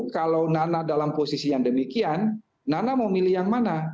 kalau nana dalam posisi yang demikian nana mau milih yang mana